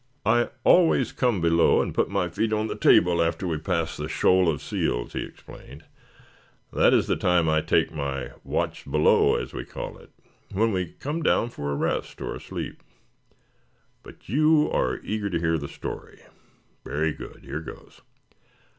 "I always come below and put my feet on the table after we pass the Shoal of Seals," he explained. "That is the time I take my 'watch below,' as we call it, when we come down for a rest or a sleep. But you are eager to hear the story. Very good. Here goes.